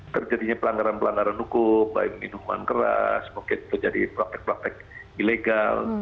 terjadinya pelanggaran pelanggaran hukum baik minuman keras mungkin terjadi praktek praktek ilegal